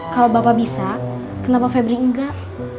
kalau bapak bisa kenapa febri enggak